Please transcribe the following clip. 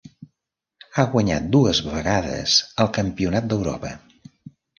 Ha guanyat dues vegades el Campionat d'Europa.